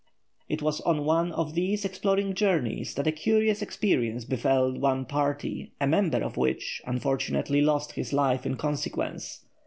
It was on one of these exploring journeys that a curious experience befell one party, a member of which, unfortunately, lost his life in consequence.